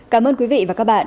cảm ơn quý vị và các bạn